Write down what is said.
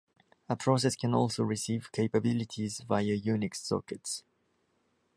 A process can also receive capabilities via Unix sockets.